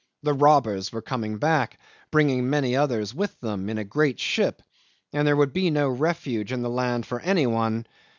The robbers were coming back, bringing many others with them, in a great ship, and there would be no refuge in the land for any one.